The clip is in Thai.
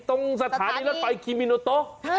ตรงสถานีแล้วไปคิมิโนตโต